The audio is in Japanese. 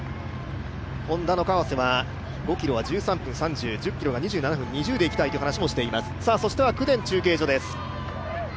Ｈｏｎｄａの川瀬は１０ｋｍが２３分２０でいきたいという話をしています。